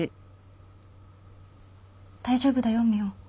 大丈夫だよ未央。